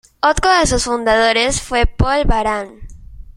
Otro de sus fundadores fue Paul Baran.